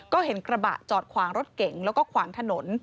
ก็เห็นกระบะจอดขวางรถเก่งแล้วก็ขวางถนน